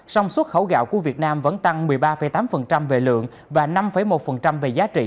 sông xuất khẩu gạo của việt nam vẫn tăng một mươi ba tám về lượng và năm một về giá trị